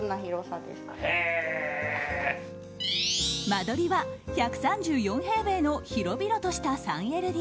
間取りは１３４平米の広々とした３ＬＤＫ。